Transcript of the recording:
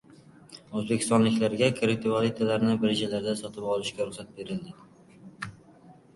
O‘zbekistonliklarga kriptovalyutalarni birjalarda sotib olishga ruxsat berildi